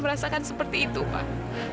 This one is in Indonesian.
merasakan seperti itu pak